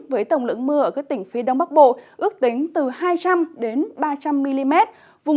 với tổng lượng mưa ở các tỉnh phía đông bắc bộ ước tính từ hai trăm linh ba trăm linh mm